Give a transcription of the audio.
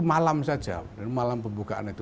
malam saja malam pembukaan itu